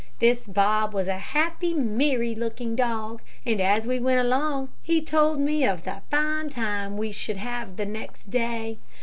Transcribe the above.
This Bob was a happy, merry looking dog, and as we went along, he told me of the fine time we should have next day.